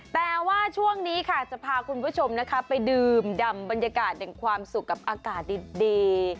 แต่ว่าช่วงนี้ค่ะจะพาคุณผู้ชมนะคะไปดื่มดำบรรยากาศแห่งความสุขกับอากาศดี